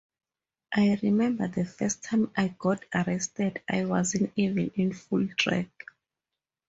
I remember the first time I got arrested, I wasn't even in full drag.